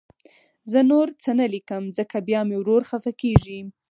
زه نور څه نه لیکم، ځکه بیا مې ورور خفه کېږي